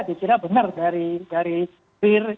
dia kira benar dari courier